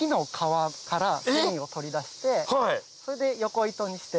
それで横糸にして。